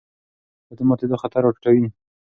دا د ماتېدو خطر راټیټوي.